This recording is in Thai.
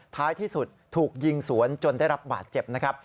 ท้ายที่สุดถูกยิงสวนจนได้รับบาดเจ็บนะครับ